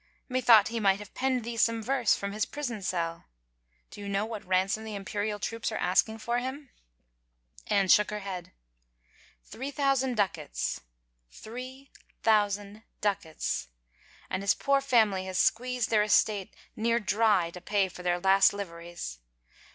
" Methought he might have penned thee some verse from his prison cell. ... Do you know what ransom the Imperial troops are asking for him?" Anne shook her head. " Three thousand ducats. Three — thousand — duc ats 1 And his poor family has squeezed their estate near 145 THE FAVOR OF KINGS dry to pay for their last liveries.